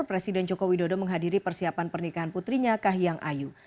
presiden jokowi dodo menghadiri persiapan pernikahan putrinya kahiyang ayu